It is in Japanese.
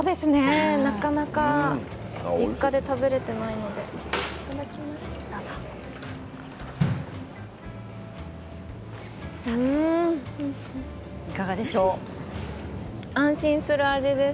なかなか実家で食べられていないのでいただきます。